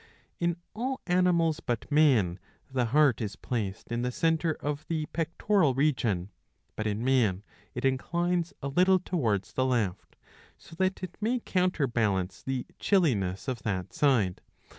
In all animals but man the heart is placed in the centre of the pectoral region ; but in man ^^ it inclines a little towards the left, so that it may counterbalance the chilliness of that side.